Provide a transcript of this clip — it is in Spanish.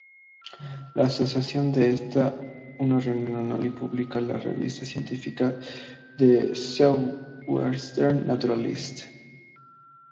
La asociación tiene una reunión anual y publica la revista científica "The Southwestern Naturalist".